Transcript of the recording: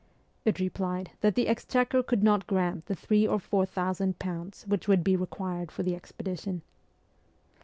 It replied that the Exchequer could not grant the three or four thousand pounds which would be required for the expedition.